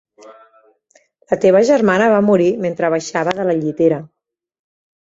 La teva germana va morir mentre baixava de la llitera.